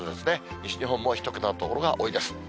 西日本も１桁の所が多いです。